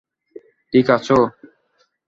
ঠিক আছো?